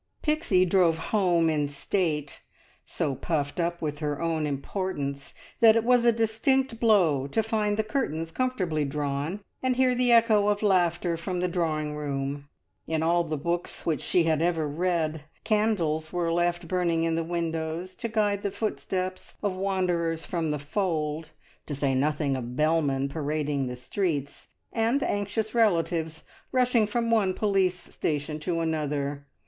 Pixie drove home in state, so puffed up with her own importance that it was a distinct blow to find the curtains comfortably drawn, and hear the echo of laughter from the drawing room. In all the books which she had ever read, candles were left burning in the windows to guide the footsteps of wanderers from the fold, to say nothing of bellmen parading the streets, and anxious relatives rushing from one police station to another.